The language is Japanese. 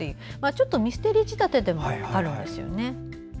ちょっとミステリー仕立てでもあるんですね。